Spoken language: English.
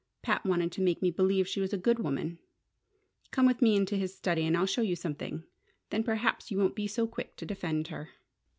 "Pat wanted to make me believe she was a good woman! Come with me into his study, and I'll show you something. Then perhaps you won't be so quick to defend her!"